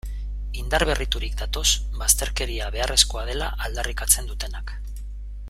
Indar berriturik datoz bazterkeria beharrezkoa dela aldarrikatzen dutenak.